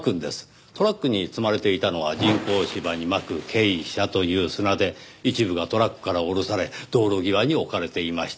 トラックに積まれていたのは人工芝にまく珪砂という砂で一部がトラックから降ろされ道路際に置かれていました。